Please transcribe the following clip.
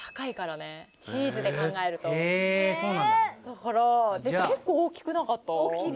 だから結構大きくなかった？